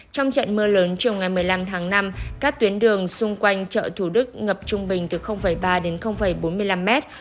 trong trận mưa lớn chiều ngày một mươi năm tháng năm các tuyến đường xung quanh chợ thủ đức ngập trung bình từ ba đến bốn mươi năm mét